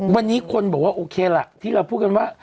วันนี้คนบอกว่าโอเคล่ะที่เราพูดกันว่า